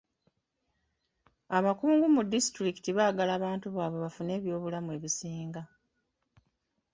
Abakungu mu disitulikiti baagala abantu baabwe bafune ebyobulamu ebisinga.